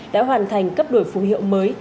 đã hoàn thành cấp đổi phù hiệu mới